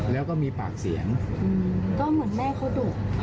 แล้วก็มีปากเสียงก็เหมือนแม่เขาดุ